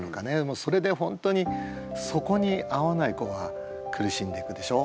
もうそれで本当にそこに合わない子は苦しんでいくでしょ。